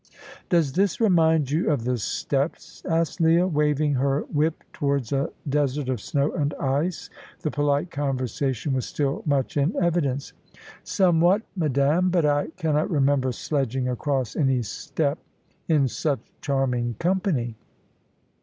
"Does this remind you of the steppes?" asked Leah, waving her whip towards a desert of snow and ice. The polite conversation was still much in evidence. "Somewhat, madame; but I cannot remember sledging across any steppe in such charming company."